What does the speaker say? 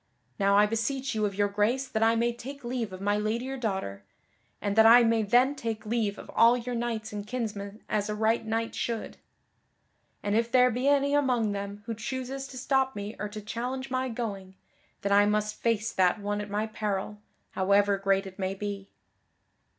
Now I beseech you of your grace that I may take leave of my lady your daughter, and that I may then take leave of all your knights and kinsmen as a right knight should. And if there be any among them who chooses to stop me or to challenge my going, then I must face that one at my peril, however great it may be."